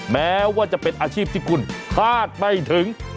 แม้ว่าจะเป็นอาชีพที่คุณคาดไม่ถึง